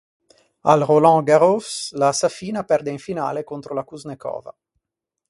Al Roland Garros la Safina perde in finale contro la Kuznecova.